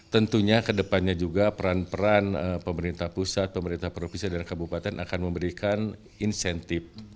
tentunya kedepannya juga peran peran pemerintah pusat pemerintah provinsi dan kabupaten akan memberikan insentif